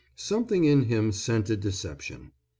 Something in him scented deception.